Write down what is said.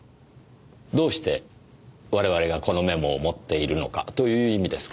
どうして我々がこのメモを持っているのかという意味ですか？